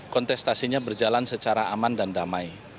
kontestasinya berjalan secara aman dan damai